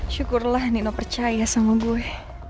syukurlah nino percaya sama gue